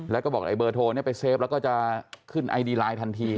แล้วก็บอกไอเบอร์โทรไปเฟฟแล้วก็จะขึ้นไอดีไลน์ทันที